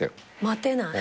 待てない。